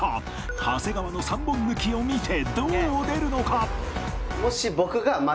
長谷川の３本抜きを見てどう出るのか？